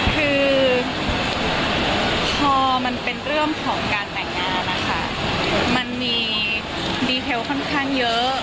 คือพอมันเป็นเรื่องของการแต่งงานนะคะมันมีดีเทลค่อนข้างเยอะ